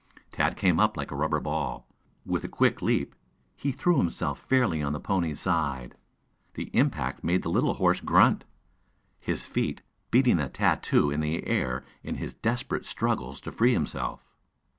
Tad came up like a rubber ball. With a quick leap, he threw himself fairly on the pony's side. The impact made the little horse grunt, his feet beating a tattoo in the air in his desperate struggles to free himself.